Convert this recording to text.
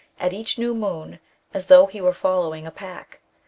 at each new moon, as though he were following a pack.